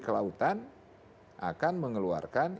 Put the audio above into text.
kelautan akan mengeluarkan